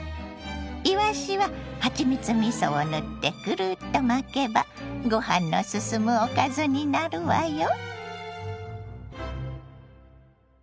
いわしははちみつみそを塗ってグルッと巻けばご飯の進むおかずになるわよ。